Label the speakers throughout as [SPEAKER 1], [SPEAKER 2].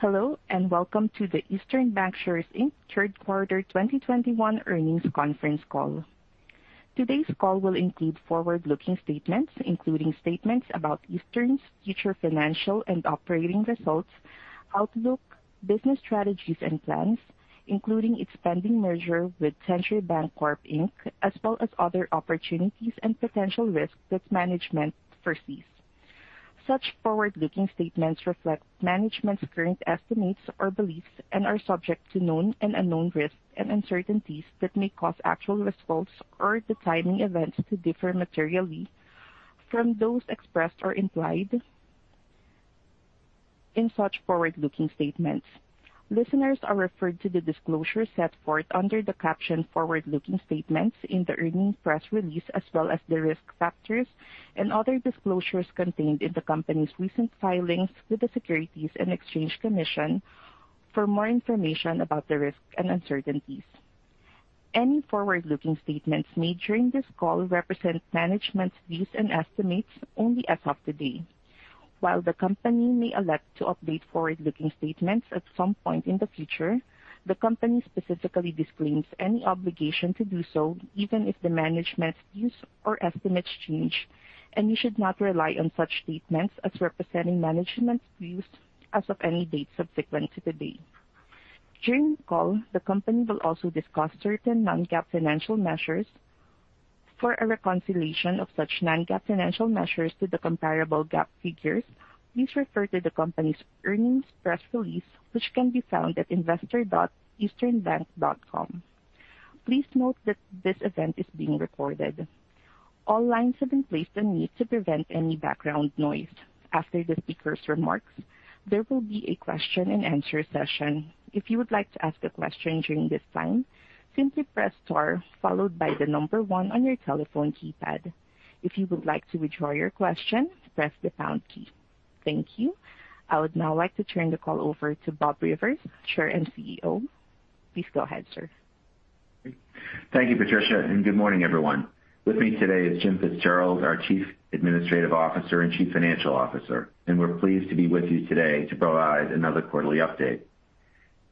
[SPEAKER 1] Hello, and welcome to the Eastern Bankshares, Inc. Third Quarter 2021 Earnings Conference Call. Today's call will include forward-looking statements, including statements about Eastern's future financial and operating results, outlook, business strategies and plans, including its pending merger with Century Bancorp, Inc. As well as other opportunities and potential risks that management foresees. Such forward-looking statements reflect management's current estimates or beliefs and are subject to known and unknown risks and uncertainties that may cause actual results or the timing of events to differ materially from those expressed or implied in such forward-looking statements. Listeners are referred to the disclosures set forth under the caption "Forward-Looking Statements" in the earnings press release, as well as the risk factors and other disclosures contained in the company's recent filings with the Securities and Exchange Commission for more information about the risks and uncertainties. Any forward-looking statements made during this call represent management's views and estimates only as of today. While the company may elect to update forward-looking statements at some point in the future, the company specifically disclaims any obligation to do so, even if the management's views or estimates change, and you should not rely on such statements as representing management's views as of any date subsequent to today. During the call, the company will also discuss certain non-GAAP financial measures. For a reconciliation of such non-GAAP financial measures to the comparable GAAP figures, please refer to the company's earnings press release, which can be found at investor.easternbank.com. Please note that this event is being recorded. All lines have been placed on mute to prevent any background noise. After the speaker's remarks, there will be a question-and-answer session. If you would like to ask a question during this time, simply press star followed by the number one on your telephone keypad. If you would like to withdraw your question, press the pound key. Thank you. I would now like to turn the call over to Bob Rivers, Chair and CEO. Please go ahead, sir.
[SPEAKER 2] Thank you, Patricia, and good morning, everyone. With me today is Jim Fitzgerald, our Chief Administrative Officer and Chief Financial Officer, and we're pleased to be with you today to provide another quarterly update.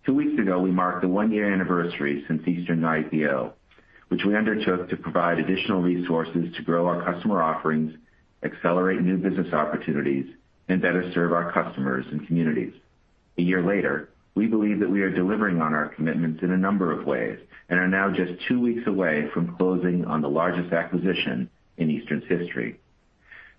[SPEAKER 2] Two weeks ago, we marked the one-year anniversary since Eastern IPO, which we undertook to provide additional resources to grow our customer offerings, accelerate new business opportunities, and better serve our customers and communities. A year later, we believe that we are delivering on our commitments in a number of ways and are now just two weeks away from closing on the largest acquisition in Eastern's history.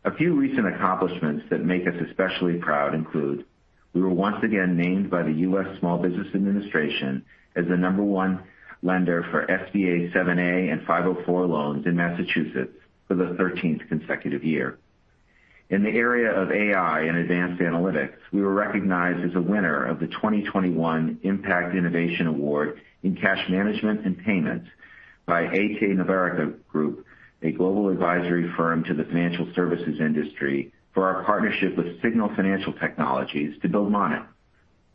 [SPEAKER 2] A few recent accomplishments that make us especially proud include we were once again named by the U.S. Small Business Administration as the number one lender for SBA 7(a) and 504 loans in Massachusetts for the 13th consecutive year. In the area of AI and advanced analytics, we were recognized as a winner of the 2021 Impact Innovation Award in cash management and payment by Aite-Novarica Group, a global advisory firm to the financial services industry, for our partnership with Signal Financial Technologies to build Monit,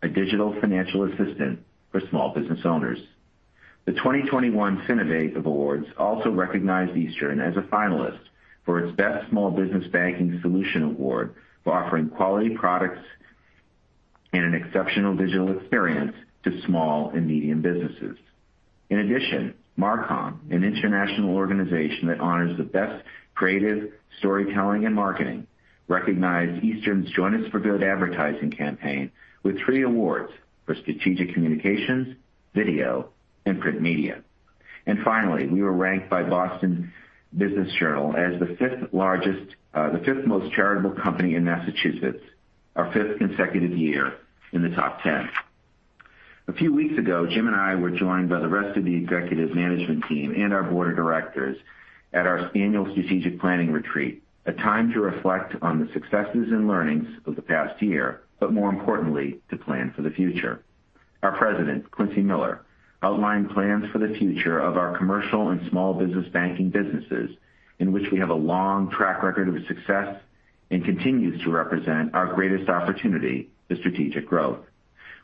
[SPEAKER 2] a digital financial assistant for small business owners. The 2021 Finovate Awards also recognized Eastern as a finalist for its Best Small Business Banking Solution award for offering quality products and an exceptional digital experience to small and medium businesses. In addition, MarCom, an international organization that honors the best creative storytelling and marketing, recognized Eastern's Join Us For Good advertising campaign with three awards for strategic communications, video, and print media. Finally, we were ranked by Boston Business Journal as the fifth most charitable company in Massachusetts, our fifth consecutive year in the top 10. A few weeks ago, Jim and I were joined by the rest of the executive management team and our board of directors at our annual strategic planning retreat, a time to reflect on the successes and learnings of the past year, but more importantly, to plan for the future. Our president, Quincy Miller, outlined plans for the future of our commercial and small business banking businesses in which we have a long track record of success and continues to represent our greatest opportunity to strategic growth.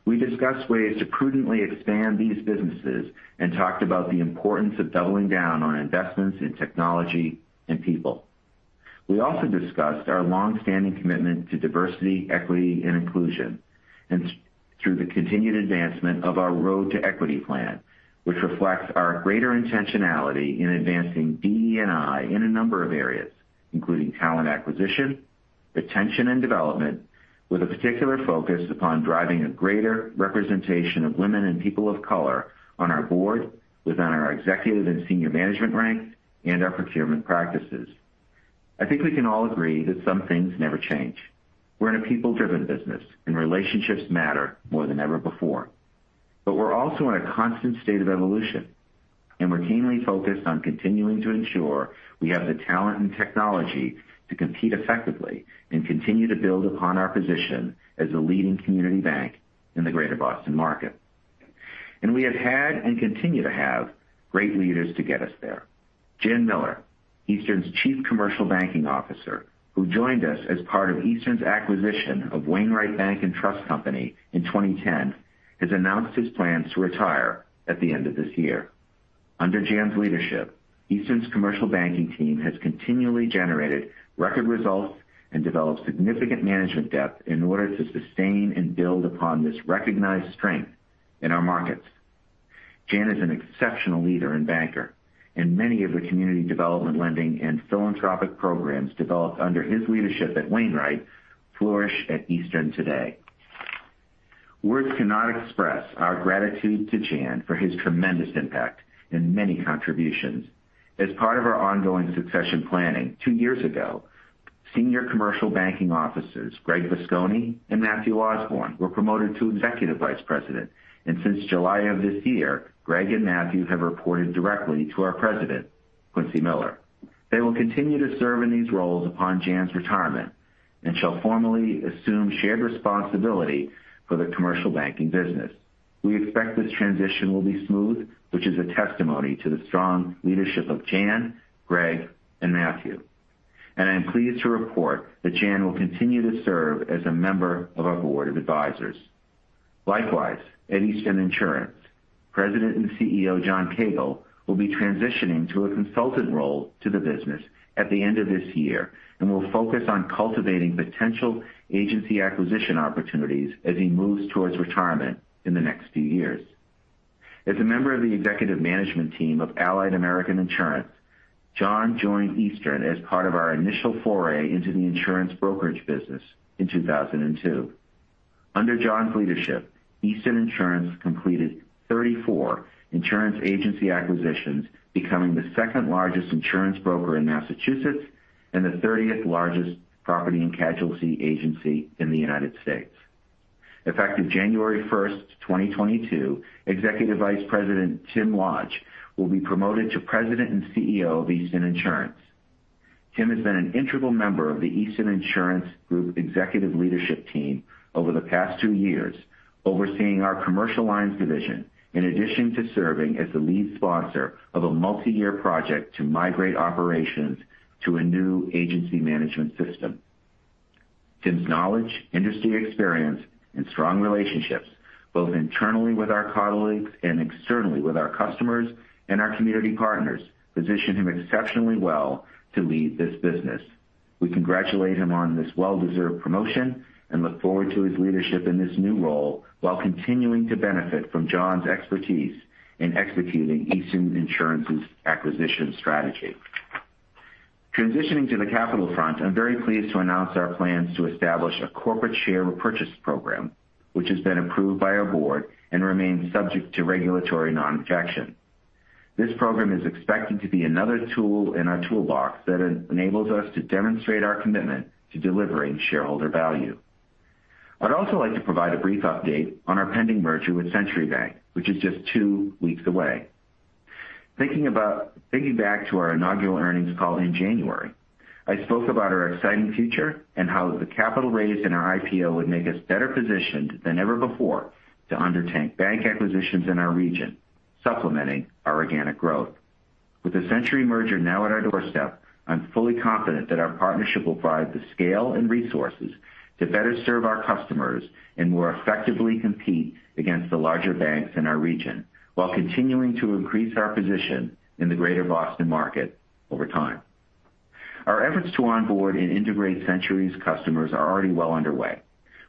[SPEAKER 2] We discussed ways to prudently expand these businesses and talked about the importance of doubling down on investments in technology and people. We also discussed our long-standing commitment to diversity, equity, and inclusion and through the continued advancement of our Road to Equity plan. Which reflects our greater intentionality in advancing DE&I in a number of areas, including talent acquisition, retention, and development, with a particular focus upon driving a greater representation of women and people of color on our board, within our executive and senior management ranks, and our procurement practices. I think we can all agree that some things never change. We're in a people-driven business and relationships matter more than ever before. But we're also in a constant state of evolution and we're keenly focused on continuing to ensure we have the talent and technology to compete effectively and continue to build upon our position as a leading community bank in the greater Boston market. We have had and continue to have great leaders to get us there. Jan Miller, Eastern's Chief Commercial Banking Officer, who joined us as part of Eastern's acquisition of Wainwright Bank and Trust Company in 2010, has announced his plans to retire at the end of this year. Under Jan's leadership, Eastern's commercial banking team has continually generated record results and developed significant management depth in order to sustain and build upon this recognized strength in our markets. Jan is an exceptional leader and banker, and many of the community development lending and philanthropic programs developed under his leadership at Wainwright flourish at Eastern today. Words cannot express our gratitude to Jan for his tremendous impact and many contributions. As part of our ongoing succession planning, two years ago, senior commercial banking officers Greg Buscone and Matthew Osborne were promoted to Executive Vice President. Since July of this year, Greg and Matthew have reported directly to our president, Quincy Miller. They will continue to serve in these roles upon Jan's retirement and shall formally assume shared responsibility for the commercial banking business. We expect this transition will be smooth, which is a testimony to the strong leadership of Jan, Greg, and Matthew. I am pleased to report that Jan will continue to serve as a member of our board of advisors. Likewise, at Eastern Insurance, President and CEO John Koegel will be transitioning to a consultant role to the business at the end of this year and will focus on cultivating potential agency acquisition opportunities as he moves towards retirement in the next few years. As a member of the executive management team of Allied American Insurance, John joined Eastern as part of our initial foray into the insurance brokerage business in 2002. Under John's leadership, Eastern Insurance completed 34 insurance agency acquisitions, becoming the second-largest insurance broker in Massachusetts and the 30th-largest property and casualty agency in the United States. Effective January 1st, 2022, Executive Vice President Tim Lodge will be promoted to President and CEO of Eastern Insurance. Tim has been an integral member of the Eastern Insurance Group executive leadership team over the past two years, overseeing our commercial lines division. In addition to serving as the lead sponsor of a multiyear project to migrate operations to a new agency management system. Tim's knowledge, industry experience, and strong relationships, both internally with our colleagues and externally with our customers and our community partners, position him exceptionally well to lead this business. We congratulate him on this well-deserved promotion and look forward to his leadership in this new role while continuing to benefit from John's expertise in executing Eastern Insurance's acquisition strategy. Transitioning to the capital front, I'm very pleased to announce our plans to establish a corporate share repurchase program, which has been approved by our board and remains subject to regulatory non-objection. This program is expected to be another tool in our toolbox that enables us to demonstrate our commitment to delivering shareholder value. I'd also like to provide a brief update on our pending merger with Century Bank, which is just two weeks away. Thinking back to our inaugural earnings call in January, I spoke about our exciting future and how the capital raised in our IPO would make us better positioned than ever before to undertake bank acquisitions in our region, supplementing our organic growth. With the Century merger now at our doorstep, I'm fully confident that our partnership will provide the scale and resources to better serve our customers and more effectively compete against the larger banks in our region while continuing to increase our position in the Greater Boston market over time. Our efforts to onboard and integrate Century's customers are already well underway.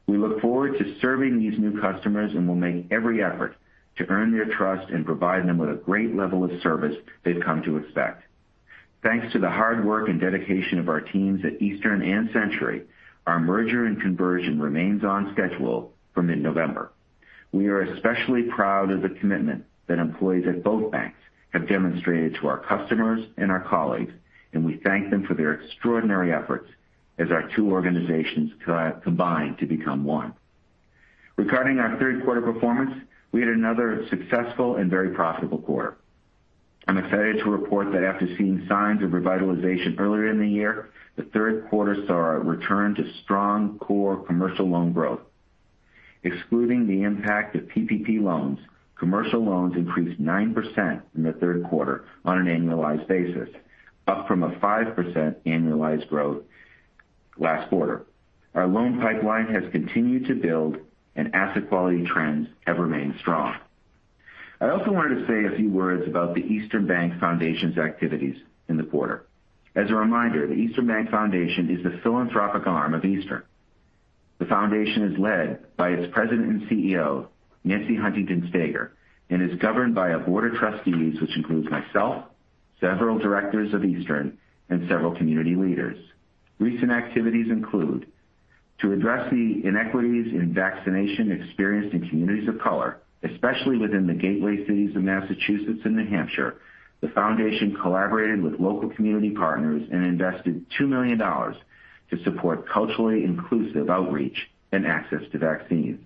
[SPEAKER 2] We look forward to serving these new customers, and we'll make every effort to earn their trust and provide them with a great level of service they've come to expect. Thanks to the hard work and dedication of our teams at Eastern and Century, our merger and conversion remains on schedule for mid-November. We are especially proud of the commitment that employees at both banks have demonstrated to our customers and our colleagues, and we thank them for their extraordinary efforts as our two organizations co-combine to become one. Regarding our third quarter performance, we had another successful and very profitable quarter. I'm excited to report that after seeing signs of revitalization earlier in the year, the third quarter saw a return to strong core commercial loan growth. Excluding the impact of PPP loans, commercial loans increased 9% in the third quarter on an annualized basis, up from a 5% annualized growth last quarter. Our loan pipeline has continued to build, and asset quality trends have remained strong. I also wanted to say a few words about the Eastern Bank Foundation's activities in the quarter. As a reminder, the Eastern Bank Foundation is the philanthropic arm of Eastern. The foundation is led by its president and CEO, Nancy Huntington Stager, and is governed by a board of trustees, which includes myself, several directors of Eastern, and several community leaders. Recent activities include to address the inequities in vaccination experienced in communities of color, especially within the gateway cities of Massachusetts and New Hampshire. The foundation collaborated with local community partners and invested $2 million to support culturally inclusive outreach and access to vaccines.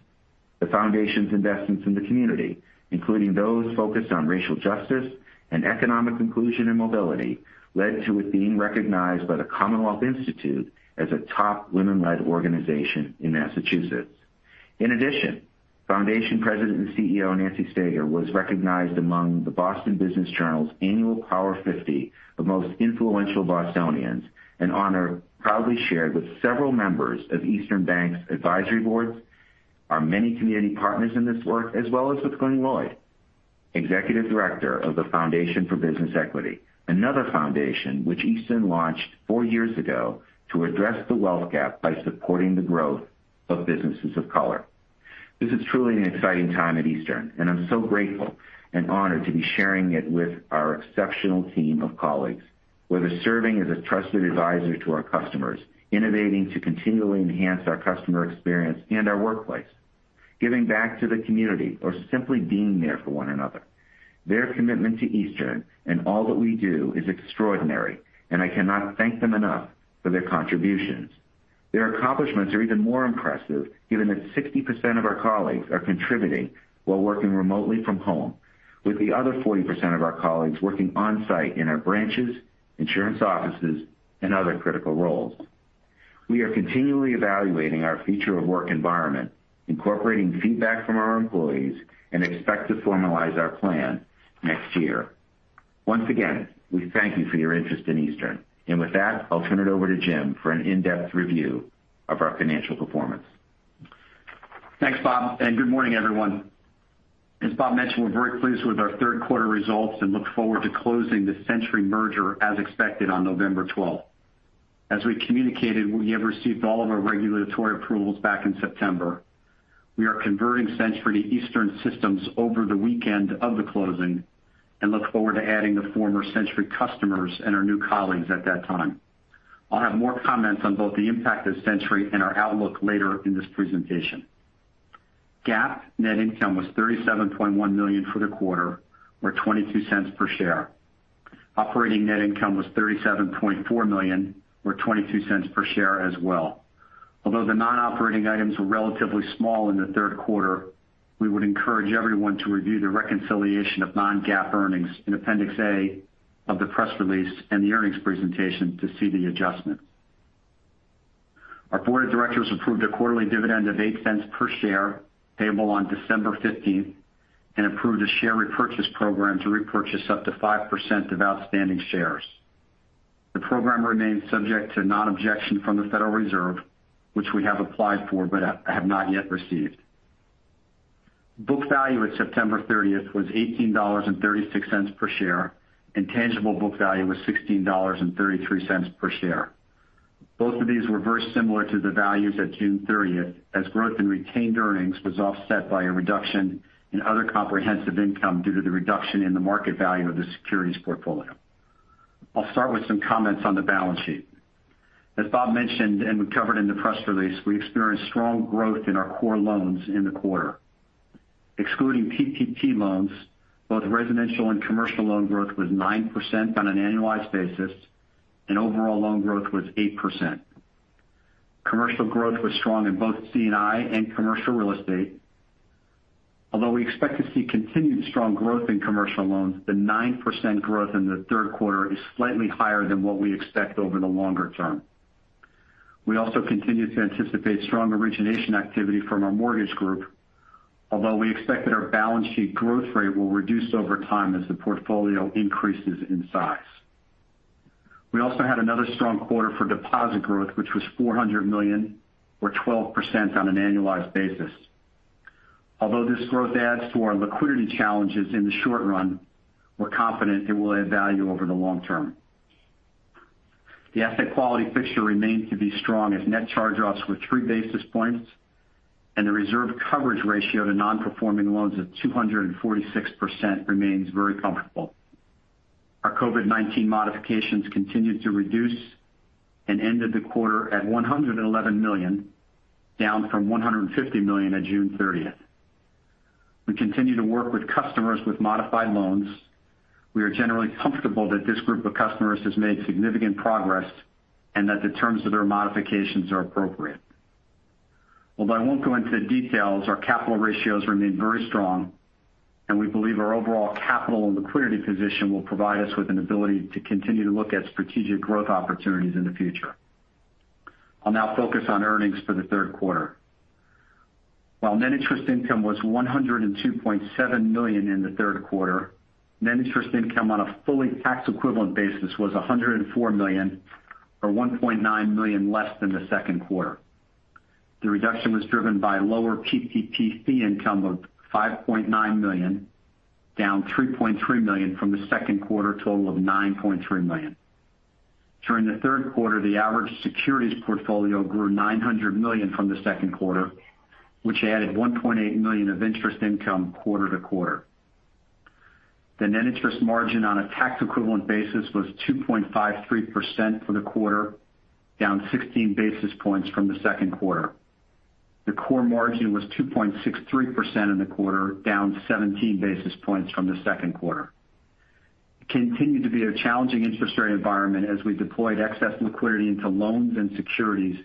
[SPEAKER 2] The foundation's investments in the community, including those focused on racial justice and economic inclusion and mobility, led to it being recognized by the Commonwealth Institute as a top women-led organization in Massachusetts. In addition, Foundation President and CEO Nancy Stager was recognized among the Boston Business Journal's Annual Power 50, the most influential Bostonians, an honor proudly shared with several members of Eastern Bank's advisory boards. Our many community partners in this work, as well as with Glynn Lloyd, Executive Director of the Foundation for Business Equity, another foundation which Eastern launched four years ago to address the wealth gap by supporting the growth of businesses of color. This is truly an exciting time at Eastern, and I'm so grateful and honored to be sharing it with our exceptional team of colleagues, whether serving as a trusted advisor to our customers, innovating to continually enhance our customer experience and our workplace, giving back to the community, or simply being there for one another. Their commitment to Eastern and all that we do is extraordinary, and I cannot thank them enough for their contributions. Their accomplishments are even more impressive given that 60% of our colleagues are contributing while working remotely from home, with the other 40% of our colleagues working on-site in our branches, insurance offices, and other critical roles. We are continually evaluating our future of work environment, incorporating feedback from our employees, and expect to formalize our plan next year. Once again, we thank you for your interest in Eastern. With that, I'll turn it over to Jim for an in-depth review of our financial performance.
[SPEAKER 3] Thanks, Bob, and good morning, everyone. As Bob mentioned, we're very pleased with our third quarter results and look forward to closing the Century merger as expected on November 12. As we communicated, we have received all of our regulatory approvals back in September. We are converting Century to Eastern systems over the weekend of the closing and look forward to adding the former Century customers and our new colleagues at that time. I'll have more comments on both the impact of Century and our outlook later in this presentation. GAAP net income was $37.1 million for the quarter or $0.22 per share. Operating net income was $37.4 million or $0.22 per share as well. Although the non-operating items were relatively small in the third quarter, we would encourage everyone to review the reconciliation of non-GAAP earnings in Appendix A of the press release and the earnings presentation to see the adjustment. Our board of directors approved a quarterly dividend of $0.08 per share payable on December 15th and approved a share repurchase program to repurchase up to 5% of outstanding shares. The program remains subject to non-objection from the Federal Reserve, which we have applied for but have not yet received. Book value at September 30th was $18.36 per share, and tangible book value was $16.33 per share. Both of these were very similar to the values at June 30th, as growth in retained earnings was offset by a reduction in other comprehensive income due to the reduction in the market value of the securities portfolio. I'll start with some comments on the balance sheet. As Bob mentioned and we covered in the press release, we experienced strong growth in our core loans in the quarter. Excluding PPP loans, both residential and commercial loan growth was 9% on an annualized basis, and overall loan growth was 8%. Commercial growth was strong in both C&I and commercial real estate. Although we expect to see continued strong growth in commercial loans, the 9% growth in the third quarter is slightly higher than what we expect over the longer term. We also continue to anticipate strong origination activity from our mortgage group, although we expect that our balance sheet growth rate will reduce over time as the portfolio increases in size. We also had another strong quarter for deposit growth, which was $400 million or 12% on an annualized basis. Although this growth adds to our liquidity challenges in the short run, we're confident it will add value over the long term. The asset quality picture remains to be strong as net charge-offs were 3 basis points, and the reserve coverage ratio to non-performing loans of 246% remains very comfortable. Our COVID-19 modifications continued to reduce and ended the quarter at $111 million, down from $150 million on June 30th. We continue to work with customers with modified loans. We are generally comfortable that this group of customers has made significant progress and that the terms of their modifications are appropriate. Although I won't go into the details, our capital ratios remain very strong, and we believe our overall capital and liquidity position will provide us with an ability to continue to look at strategic growth opportunities in the future. I'll now focus on earnings for the third quarter. While net interest income was $102.7 million in the third quarter, net interest income on a fully tax-equivalent basis was $104 million or $1.9 million less than the second quarter. The reduction was driven by lower PPP fee income of $5.9 million, down $3.3 million from the second quarter total of $9.3 million. During the third quarter, the average securities portfolio grew $900 million from the second quarter, which added $1.8 million of interest income quarter to quarter. The net interest margin on a tax-equivalent basis was 2.53% for the quarter, down 16 basis points from the second quarter. The core margin was 2.63% in the quarter, down 17 basis points from the second quarter. It continued to be a challenging interest rate environment as we deployed excess liquidity into loans and securities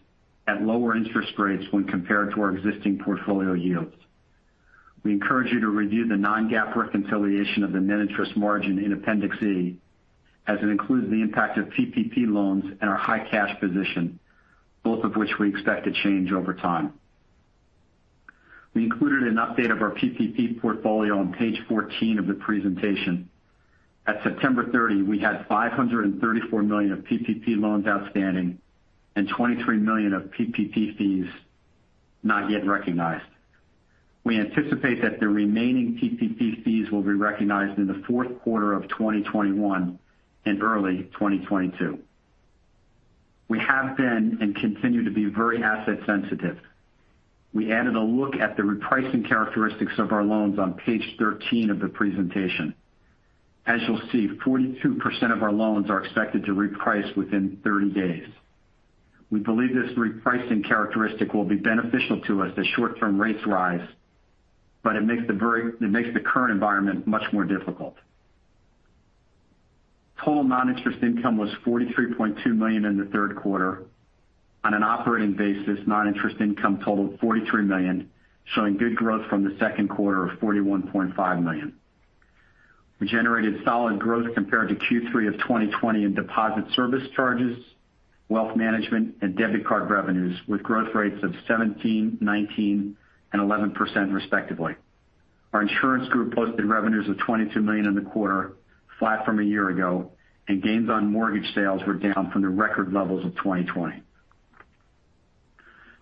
[SPEAKER 3] at lower interest rates when compared to our existing portfolio yields. We encourage you to review the non-GAAP reconciliation of the net interest margin in Appendix E, as it includes the impact of PPP loans and our high cash position, both of which we expect to change over time. We included an update of our PPP portfolio on page 14 of the presentation. At September 30, we had $534 million of PPP loans outstanding and $23 million of PPP fees not yet recognized. We anticipate that the remaining PPP fees will be recognized in the fourth quarter of 2021 and early 2022. We have been, and continue to be, very asset sensitive. We added a look at the repricing characteristics of our loans on page 13 of the presentation. As you'll see, 42% of our loans are expected to reprice within 30 days. We believe this repricing characteristic will be beneficial to us as short-term rates rise, but it makes the current environment much more difficult. Total non-interest income was $43.2 million in the third quarter. On an operating basis, non-interest income totaled $43 million, showing good growth from the second quarter of $41.5 million. We generated solid growth compared to Q3 of 2020 in deposit service charges, wealth management, and debit card revenues, with growth rates of 17%, 19%, and 11% respectively. Our insurance group posted revenues of $22 million in the quarter, flat from a year ago, and gains on mortgage sales were down from the record levels of 2020.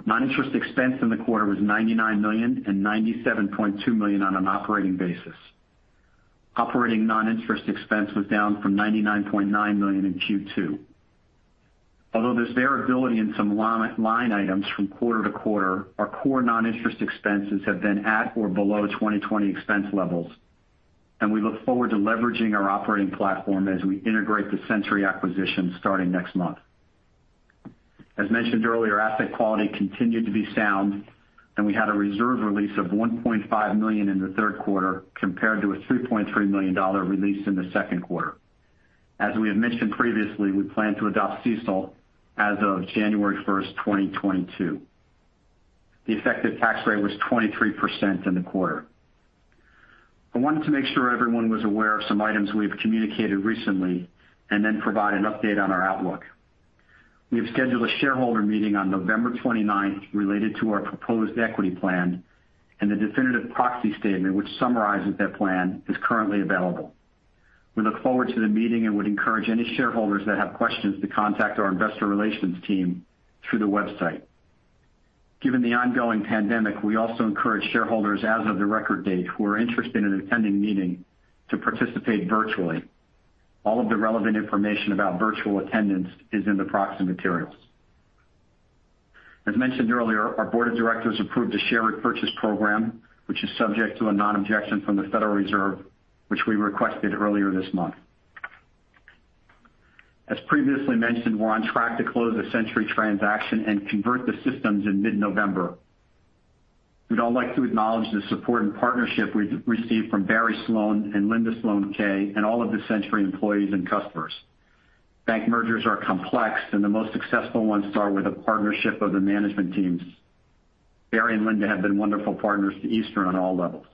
[SPEAKER 3] Non-interest expense in the quarter was $99 million and $97.2 million on an operating basis. Operating non-interest expense was down from $99.9 million in Q2. Although there's variability in some line items from quarter to quarter, our core non-interest expenses have been at or below 2020 expense levels, and we look forward to leveraging our operating platform as we integrate the Century acquisition starting next month. As mentioned earlier, asset quality continued to be sound and we had a reserve release of $1.5 million in the third quarter compared to a $3.3 million release in the second quarter. As we have mentioned previously, we plan to adopt CECL as of January 1st, 2022. The effective tax rate was 23% in the quarter. I wanted to make sure everyone was aware of some items we've communicated recently, and then provide an update on our outlook. We have scheduled a shareholder meeting on November 29th related to our proposed equity plan and the definitive proxy statement, which summarizes that plan, is currently available. We look forward to the meeting and would encourage any shareholders that have questions to contact our investor relations team through the website. Given the ongoing pandemic, we also encourage shareholders as of the record date who are interested in attending the meeting to participate virtually. All of the relevant information about virtual attendance is in the proxy materials. As mentioned earlier, our board of directors approved a share repurchase program which is subject to a non-objection from the Federal Reserve, which we requested earlier this month. As previously mentioned, we're on track to close the Century transaction and convert the systems in mid-November. We'd all like to acknowledge the support and partnership we've received from Barry Sloane and Linda Sloane and all of the Century employees and customers. Bank mergers are complex and the most successful ones start with a partnership of the management teams. Barry and Linda have been wonderful partners to Eastern on all levels.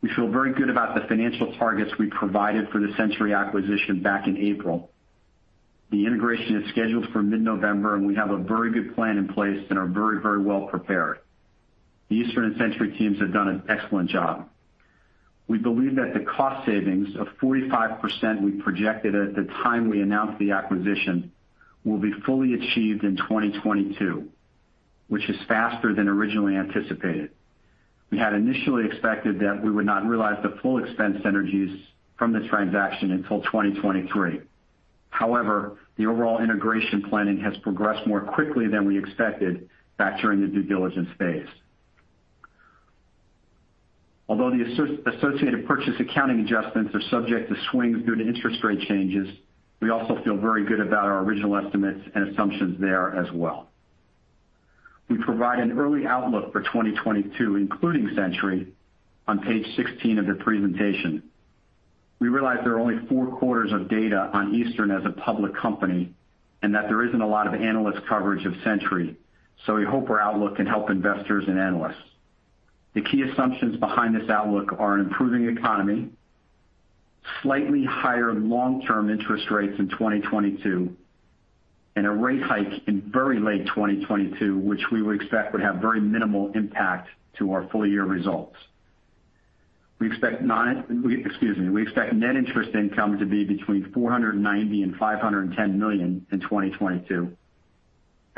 [SPEAKER 3] We feel very good about the financial targets we provided for the Century acquisition back in April. The integration is scheduled for mid-November, and we have a very good plan in place and are very, very well prepared. The Eastern and Century teams have done an excellent job. We believe that the cost savings of 45% we projected at the time we announced the acquisition will be fully achieved in 2022, which is faster than originally anticipated. We had initially expected that we would not realize the full expense synergies from this transaction until 2023. However, the overall integration planning has progressed more quickly than we expected back during the due diligence phase. Although the associated purchase accounting adjustments are subject to swings due to interest rate changes, we also feel very good about our original estimates and assumptions there as well. We provide an early outlook for 2022, including Century, on page 16 of the presentation. We realize there are only four quarters of data on Eastern as a public company, and that there isn't a lot of analyst coverage of Century, so we hope our outlook can help investors and analysts. The key assumptions behind this outlook are an improving economy, slightly higher long-term interest rates in 2022, and a rate hike in very late 2022 which we would expect would have very minimal impact to our full year results. We expect net interest income to be between $490 million-$510 million in 2022.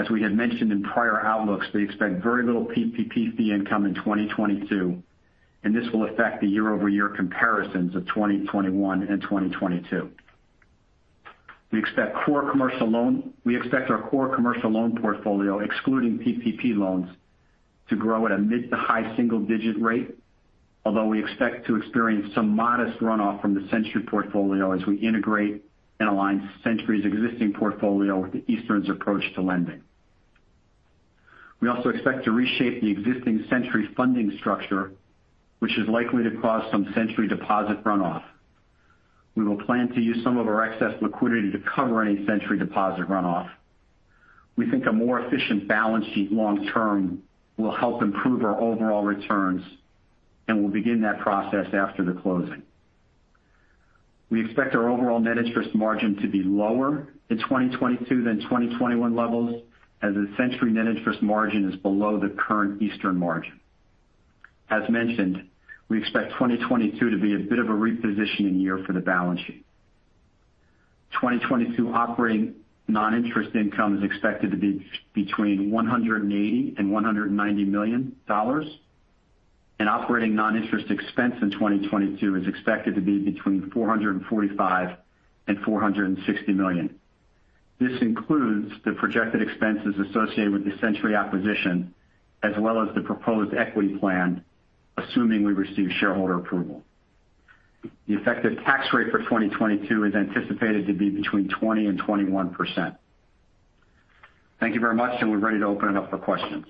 [SPEAKER 3] As we had mentioned in prior outlooks, we expect very little PPP fee income in 2022, and this will affect the year-over-year comparisons of 2021 and 2022. We expect our core commercial loan portfolio, excluding PPP loans, to grow at a mid- to high-single-digit rate. Although we expect to experience some modest runoff from the Century portfolio as we integrate and align Century's existing portfolio with Eastern's approach to lending. We also expect to reshape the existing Century funding structure, which is likely to cause some Century deposit runoff. We will plan to use some of our excess liquidity to cover any Century deposit runoff. We think a more efficient balance sheet long term will help improve our overall returns, and we'll begin that process after the closing. We expect our overall net interest margin to be lower in 2022 than 2021 levels as the Century net interest margin is below the current Eastern margin. As mentioned, we expect 2022 to be a bit of a repositioning year for the balance sheet. 2022 operating non-interest income is expected to be between $180 million-$190 million. Operating non-interest expense in 2022 is expected to be between $445 million-$460 million. This includes the projected expenses associated with the Century acquisition as well as the proposed equity plan, assuming we receive shareholder approval. The effective tax rate for 2022 is anticipated to be between 20%-21%. Thank you very much, and we're ready to open it up for questions.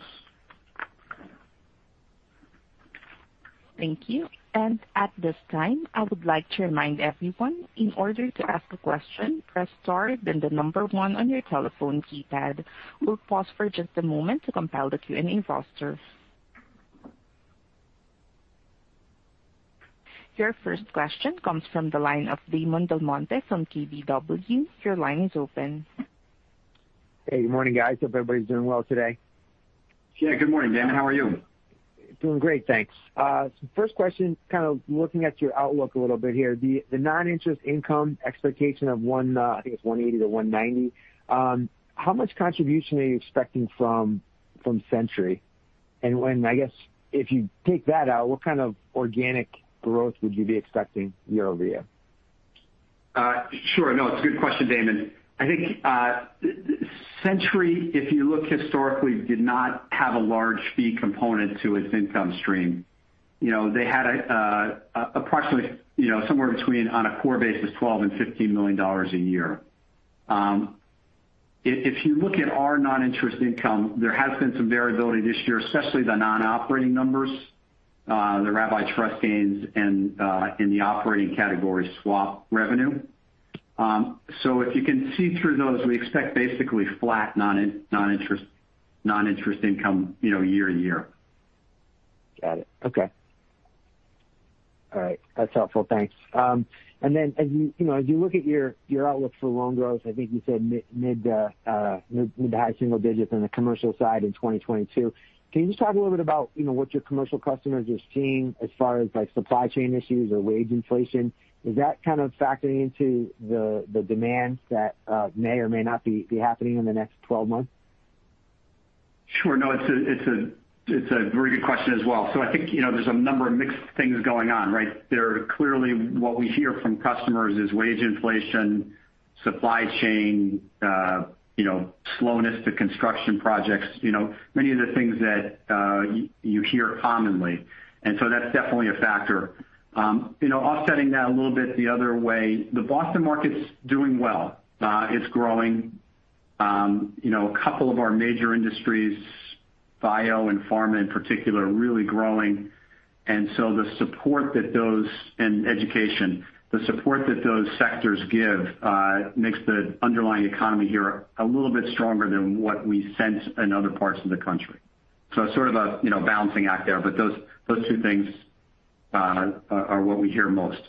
[SPEAKER 1] Thank you. At this time, I would like to remind everyone, in order to ask a question, press star, then the number one on your telephone keypad. We'll pause for just a moment to compile the Q and A roster. Your first question comes from the line of Damon DelMonte from KBW. Your line is open.
[SPEAKER 4] Hey, good morning, guys. Hope everybody's doing well today.
[SPEAKER 3] Yeah, good morning, Damon. How are you?
[SPEAKER 4] Doing great, thanks. First question, kind of looking at your outlook a little bit here. The non-interest income expectation of $180-$190. How much contribution are you expecting from Century? I guess if you take that out, what kind of organic growth would you be expecting year-over-year?
[SPEAKER 3] Sure. No, it's a good question, Damon. I think Century, if you look historically, did not have a large fee component to its income stream. You know, they had approximately, you know, somewhere between, on a core basis, $12 million and $15 million a year. If you look at our non-interest income, there has been some variability this year, especially the non-operating numbers, the rabbi trust gains and, in the operating category, swap revenue. So if you can see through those, we expect basically flat non-interest income, you know, year-over-year.
[SPEAKER 4] Got it. Okay. All right. That's helpful. Thanks. And then as you know as you look at your outlook for loan growth, I think you said mid- to high-single digits on the commercial side in 2022. Can you just talk a little bit about you know what your commercial customers are seeing as far as like supply chain issues or wage inflation? Is that kind of factoring into the demands that may or may not be happening in the next 12 months?
[SPEAKER 3] Sure. No, it's a very good question as well. I think, you know, there's a number of mixed things going on, right? There are clearly what we hear from customers is wage inflation, supply chain, you know, slowness to construction projects. You know, many of the things that you hear commonly. That's definitely a factor. You know, offsetting that a little bit the other way, the Boston market's doing well. It's growing. You know, a couple of our major industries, bio and pharma in particular, are really growing. The support that those sectors give makes the underlying economy here a little bit stronger than what we sense in other parts of the country. It's sort of a, you know, balancing act there. Those two things are what we hear most.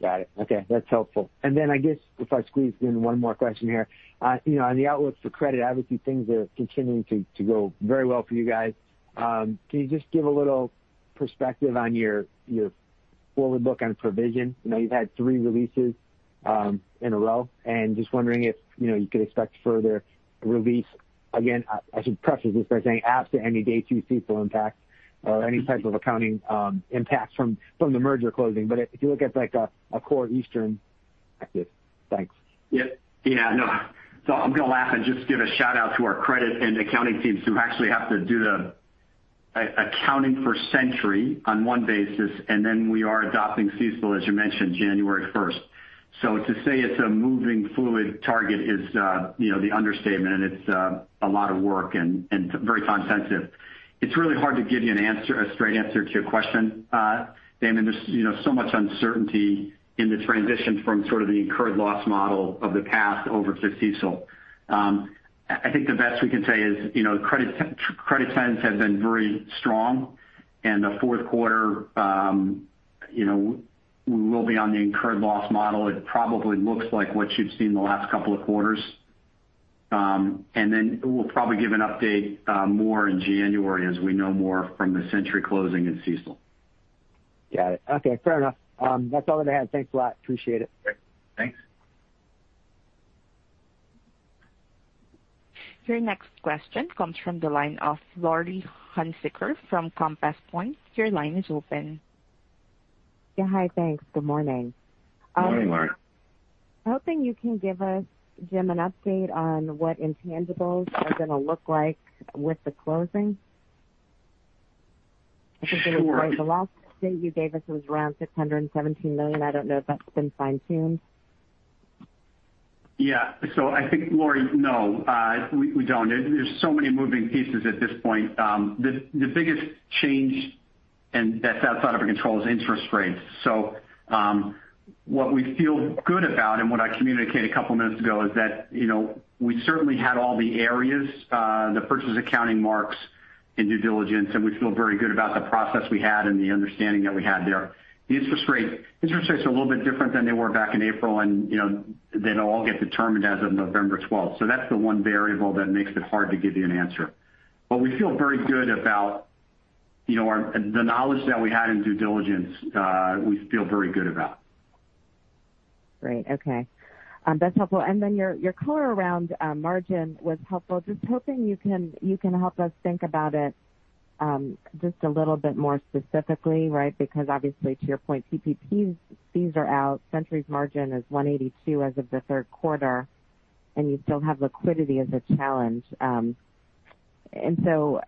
[SPEAKER 4] Got it. Okay. That's helpful. I guess if I squeeze in one more question here. You know, on the outlook for credit, obviously things are continuing to go very well for you guys. Can you just give a little perspective on your forward book on provision? I know you've had three releases in a row. Just wondering if, you know, you could expect further release. Again, I should preface this by saying absent any day two CECL impact or any type of accounting impacts from the merger closing. If you look at like a core Eastern activity. Thanks.
[SPEAKER 3] I'm gonna laugh and just give a shout-out to our credit and accounting teams who actually have to do the accounting for Century on one basis, and then we are adopting CECL, as you mentioned, January 1st. To say it's a moving fluid target is the understatement. It's a lot of work and very time sensitive. It's really hard to give you an answer, a straight answer to your question, Damon. There's so much uncertainty in the transition from sort of the incurred loss model of the past over to CECL. I think the best we can say is credit trends have been very strong. The fourth quarter we will be on the incurred loss model. It probably looks like what you've seen in the last couple of quarters. We'll probably give an update more in January as we know more from the Century closing and CECL.
[SPEAKER 4] Got it. Okay. Fair enough. That's all that I had. Thanks a lot. Appreciate it.
[SPEAKER 3] Great. Thanks.
[SPEAKER 1] Your next question comes from the line of Laurie Hunsicker from Compass Point. Your line is open.
[SPEAKER 5] Yeah. Hi. Thanks. Good morning.
[SPEAKER 3] Morning, Laurie.
[SPEAKER 5] I was hoping you can give us, Jim, an update on what intangibles are gonna look like with the closing.
[SPEAKER 3] Sure.
[SPEAKER 5] I think the last update you gave us was around $617 million. I don't know if that's been fine-tuned.
[SPEAKER 3] Yeah. I think, Laurie, no, we don't. There's so many moving pieces at this point. The biggest change and that's outside of our control is interest rates. What we feel good about and what I communicated a couple of minutes ago is that, you know, we certainly had all the areas, the purchase accounting marks and due diligence, and we feel very good about the process we had and the understanding that we had there. Interest rates are a little bit different than they were back in April. You know, they'd all get determined as of November 12. That's the one variable that makes it hard to give you an answer. We feel very good about, you know, or the knowledge that we had in due diligence, we feel very good about.
[SPEAKER 5] Great. Okay. Your color around margin was helpful. Just hoping you can help us think about it just a little bit more specifically, right? Because obviously, to your point, PPP, these are out. Century's margin is 182 as of the third quarter, and you still have liquidity as a challenge.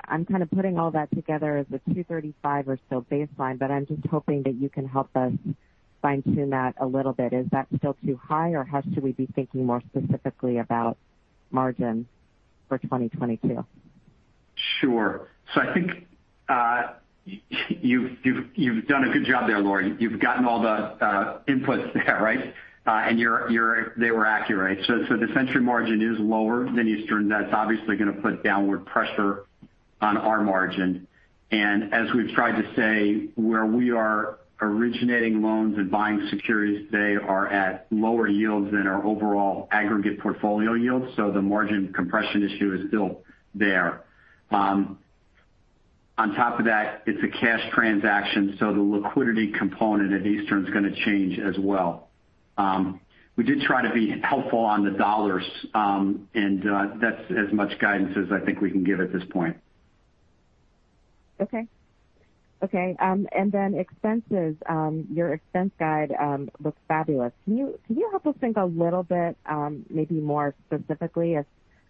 [SPEAKER 5] I'm kind of putting all that together as a 235 or so baseline, but I'm just hoping that you can help us fine-tune that a little bit. Is that still too high, or how should we be thinking more specifically about margin for 2022?
[SPEAKER 3] Sure. I think you've done a good job there, Laurie. You've gotten all the inputs there, right? They were accurate. The Century margin is lower than Eastern. That's obviously going to put downward pressure on our margin. As we've tried to say, where we are originating loans and buying securities today are at lower yields than our overall aggregate portfolio yields. The margin compression issue is still there. On top of that, it's a cash transaction, so the liquidity component at Eastern is going to change as well. We did try to be helpful on the dollars, and that's as much guidance as I think we can give at this point.
[SPEAKER 5] Okay, expenses. Your expense guidance looks fabulous. Can you help us think a little bit, maybe more specifically,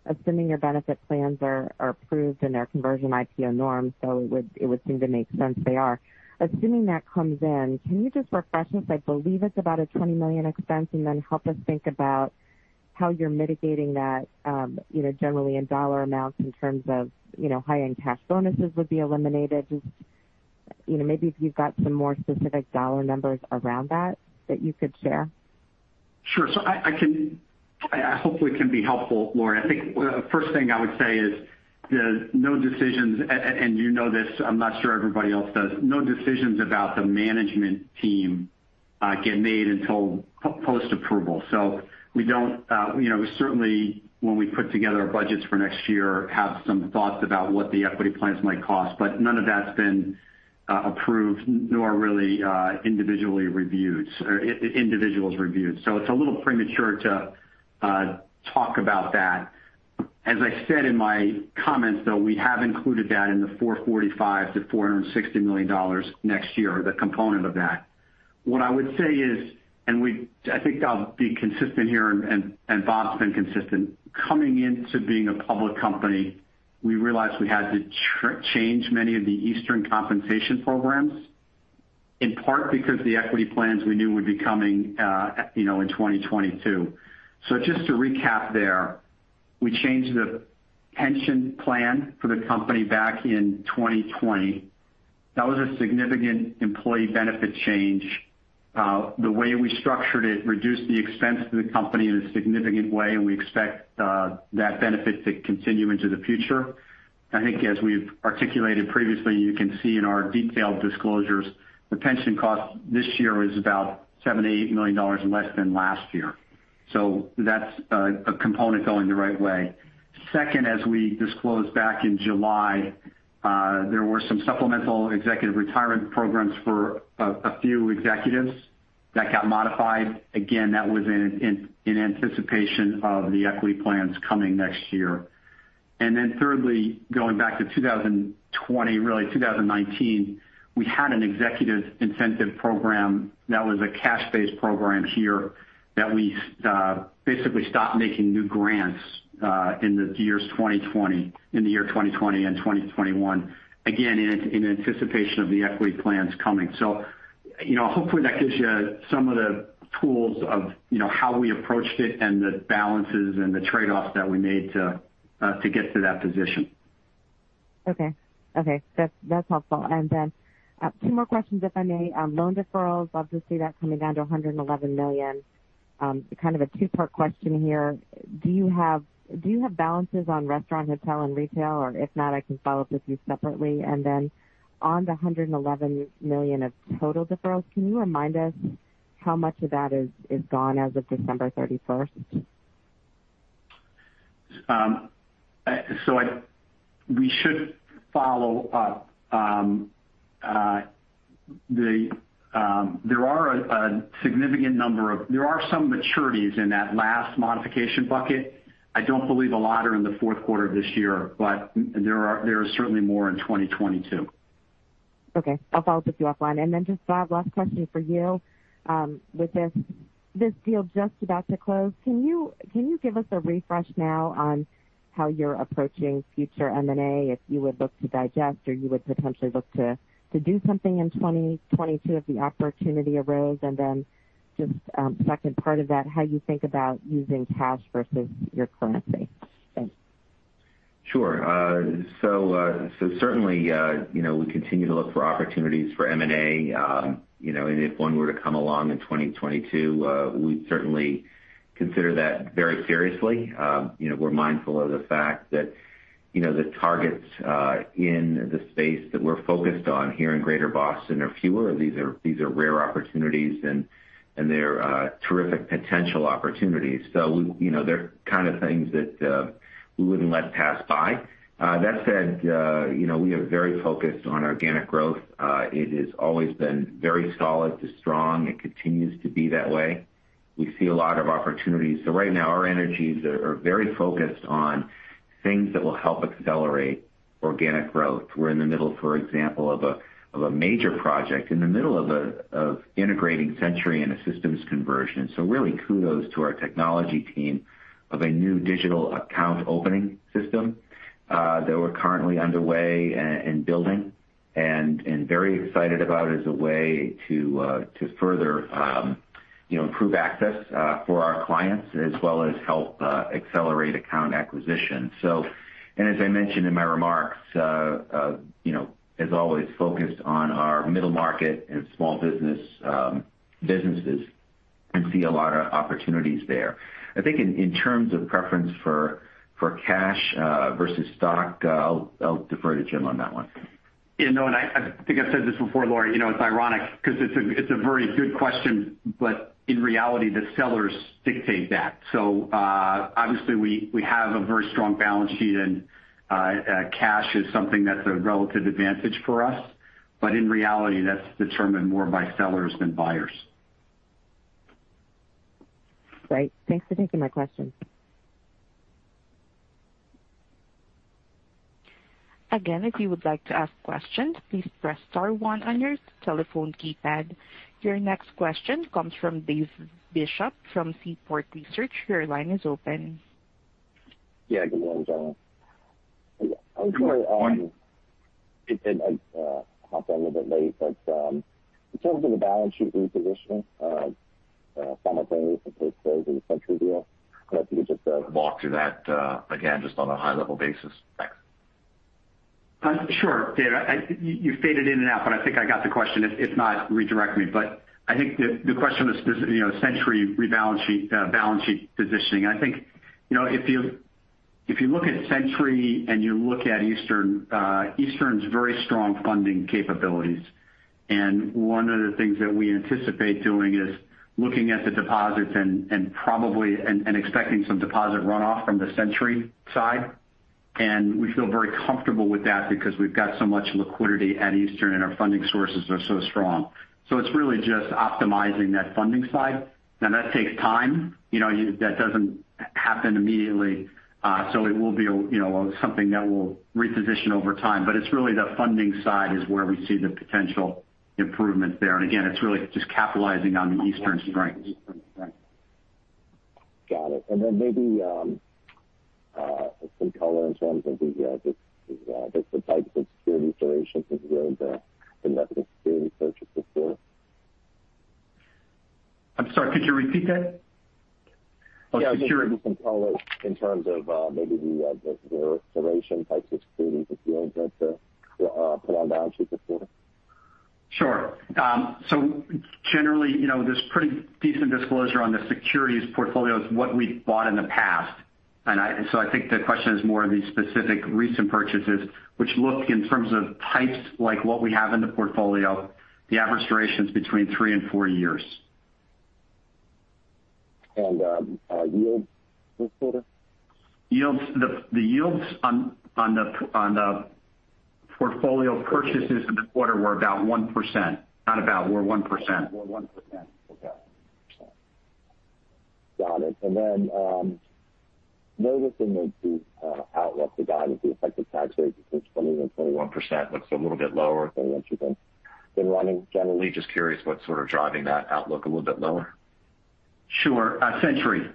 [SPEAKER 5] assuming your benefit plans are approved in their conversion IPO norm, so it would seem to make sense they are. Assuming that comes in, can you just refresh us? I believe it's about a $20 million expense. Help us think about how you're mitigating that, you know, generally in dollar amounts in terms of, you know, high-end cash bonuses would be eliminated. Just, you know, maybe if you've got some more specific dollar numbers around that that you could share.
[SPEAKER 3] Sure. I hopefully can be helpful, Laurie. I think the first thing I would say is there's no decisions. You know this, I'm not sure everybody else does. No decisions about the management team get made until post-approval. We don't you know certainly when we put together our budgets for next year, have some thoughts about what the equity plans might cost. None of that's been approved nor really individually reviewed or individuals reviewed. It's a little premature to talk about that. As I said in my comments, though, we have included that in the $445 million-$460 million next year, the component of that. What I would say is, I think I'll be consistent here, and Bob's been consistent. Coming into being a public company, we realized we had to change many of the Eastern compensation programs, in part because the equity plans we knew would be coming, you know, in 2022. Just to recap there, we changed the pension plan for the company back in 2020. That was a significant employee benefit change. The way we structured it reduced the expense to the company in a significant way, and we expect that benefit to continue into the future. I think, as we've articulated previously, you can see in our detailed disclosures, the pension cost this year is about $7 million-$8 million less than last year. That's a component going the right way. Second, as we disclosed back in July, there were some supplemental executive retirement programs for a few executives that got modified. Again, that was in anticipation of the equity plans coming next year. Then thirdly, going back to 2020, really 2019, we had an executive incentive program that was a cash-based program here that we basically stopped making new grants in the year 2020 and 2021. Again, in anticipation of the equity plans coming. You know, hopefully, that gives you some of the tools of how we approached it and the balances and the trade-offs that we made to get to that position.
[SPEAKER 5] That's helpful. Two more questions, if I may. Loan deferrals. Love to see that coming down to $111 million. Kind of a two-part question here. Do you have balances on restaurant, hotel and retail? Or if not, I can follow up with you separately. On the $111 million of total deferrals, can you remind us how much of that is gone as of December 31st?
[SPEAKER 3] There are some maturities in that last modification bucket. I don't believe a lot are in the fourth quarter of this year, but there certainly are more in 2022.
[SPEAKER 5] Okay. I'll follow up with you offline. Just Bob, last question for you. With this deal just about to close, can you give us a refresh now on how you're approaching future M&A if you would look to digest or you would potentially look to do something in 2022 if the opportunity arose? Second part of that, how you think about using cash versus your currency? Thanks.
[SPEAKER 2] Sure. Certainly, you know, we continue to look for opportunities for M&A. You know, if one were to come along in 2022, we'd certainly consider that very seriously. You know, we're mindful of the fact that, you know, the targets in the space that we're focused on here in Greater Boston are fewer. These are rare opportunities, and they're terrific potential opportunities. You know, they're kind of things that we wouldn't let pass by. That said, you know, we are very focused on organic growth. It has always been very solid to strong. It continues to be that way. We see a lot of opportunities. Right now, our energies are very focused on things that will help accelerate organic growth. We're in the middle, for example, of a major project in the middle of integrating Century and a systems conversion. Really kudos to our technology team for a new digital account opening system that we're currently underway and building and very excited about as a way to further you know improve access for our clients as well as help accelerate account acquisition. As I mentioned in my remarks you know as always focused on our middle market and small businesses and we see a lot of opportunities there. I think in terms of preference for cash versus stock I'll defer to Jim on that one.
[SPEAKER 3] Yeah, no, I think I've said this before, Laurie. You know, it's ironic because it's a very good question, but in reality, the sellers dictate that. Obviously we have a very strong balance sheet and cash is something that's a relative advantage for us. But in reality, that's determined more by sellers than buyers.
[SPEAKER 5] Great. Thanks for taking my question.
[SPEAKER 1] Again, if you would like to ask questions, please press star one on your telephone keypad. Your next question comes from Dave Bishop from Seaport Research. Your line is open.
[SPEAKER 6] Yeah, good morning, gentlemen. I'm sorry. I hopped on a little bit late, but in terms of the balance sheet repositioning, simultaneously with the close of the Century deal, I don't know if you could just walk through that again, just on a high level basis. Thanks.
[SPEAKER 3] Sure, Dave. You faded in and out, but I think I got the question. If not, redirect me. I think the question was, you know, Century balance sheet positioning. I think, you know, if you look at Century and you look at Eastern's very strong funding capabilities. One of the things that we anticipate doing is looking at the deposits and expecting some deposit runoff from the Century side. We feel very comfortable with that because we've got so much liquidity at Eastern and our funding sources are so strong. It's really just optimizing that funding side. Now, that takes time. You know, that doesn't happen immediately. It will be, you know, something that will reposition over time. It's really the funding side is where we see the potential improvement there. It's really just capitalizing on the Eastern strength.
[SPEAKER 6] Got it. Maybe some color in terms of just the types of security durations that you're able to invest in security purchases for.
[SPEAKER 3] I'm sorry, could you repeat that?
[SPEAKER 6] Yeah. Maybe just some color in terms of, maybe the duration types of securities that you're able to put on balance sheet this quarter.
[SPEAKER 3] Sure. Generally, you know, there's pretty decent disclosure on the securities portfolio is what we've bought in the past. I think the question is more of the specific recent purchases which look in terms of types like what we have in the portfolio, the average duration is between three and four years.
[SPEAKER 6] Yields this quarter?
[SPEAKER 3] The yields on the portfolio purchases in the quarter were about 1%. Not about, were 1%.
[SPEAKER 6] Got it. Noticing the outlook guidance, the effective tax rate between 20%-21% looks a little bit lower than what you've been running generally. Just curious what's sort of driving that outlook a little bit lower.
[SPEAKER 3] Sure. Century.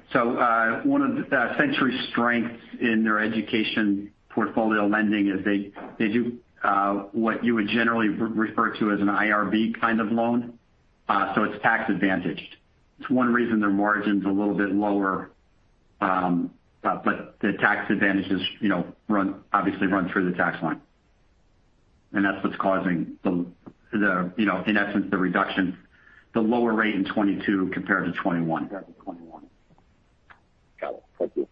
[SPEAKER 3] One of Century's strengths in their education portfolio lending is they do what you would generally refer to as an IRB kind of loan. It's tax advantaged. It's one reason their margin's a little bit lower. The tax advantages, you know, obviously run through the tax line. That's what's causing the, you know, in essence, the reduction, the lower rate in 2022 compared to 2021.
[SPEAKER 6] Got it. Thank you.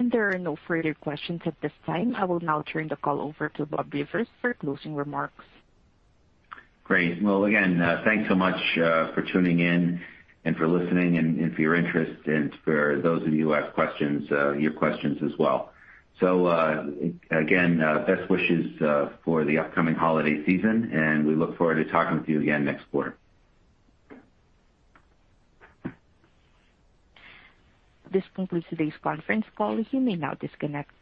[SPEAKER 1] There are no further questions at this time. I will now turn the call over to Bob Rivers for closing remarks.
[SPEAKER 2] Great. Well, again, thanks so much for tuning in and for listening and for your interest and for those of you who asked questions, your questions as well. Again, best wishes for the upcoming holiday season, and we look forward to talking with you again next quarter.
[SPEAKER 1] This concludes today's conference call. You may now disconnect.